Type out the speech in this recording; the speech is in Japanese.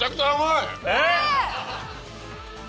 えっ！